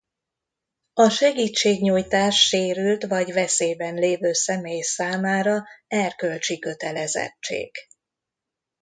A segítségnyújtás sérült vagy veszélyben lévő személy számára erkölcsi kötelezettség.